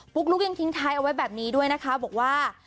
ลุ๊กยังทิ้งท้ายเอาไว้แบบนี้ด้วยนะคะบอกว่า